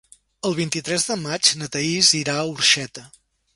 El vint-i-tres de maig na Thaís irà a Orxeta.